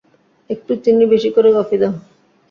একটু চিনি বেশী করে কফি দাও।